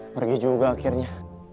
pergi juga akhirnya